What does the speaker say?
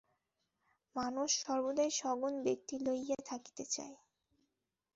মানুষ সর্বদাই সগুণ ব্যক্তি লইয়া থাকিতে চায়।